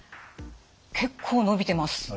結構伸びてます。